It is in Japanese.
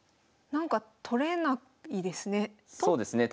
なんか取れないですね。